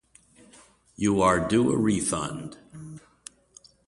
You are due a refund